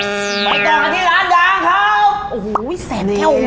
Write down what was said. ไปกันกันที่ร้านดังครับ